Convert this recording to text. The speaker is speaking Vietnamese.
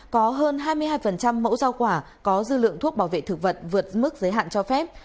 có hơn hai mươi hai mẫu rau quả có dư lượng thuốc bảo vệ thực vật vượt mức giới hạn cho phép